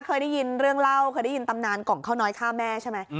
เคยได้ยินเรื่องเล่าเคยได้ยินตำนานกล่องข้าวน้อยฆ่าแม่ใช่ไหม